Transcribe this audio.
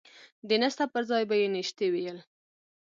د نسته پر ځاى به يې نيشتې ويل.